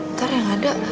ntar yang ada